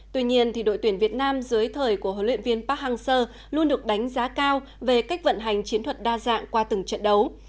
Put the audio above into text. tuy nhiên đội tuyển việt nam dưới thời của huấn luyện viên park hang seo luôn được đánh giá cao về cách vận hành chiến thuật đa dạng qua từng trận đấu